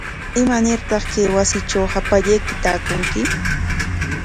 ¿Imanartaq kay wasitraw hapallayki taakunki?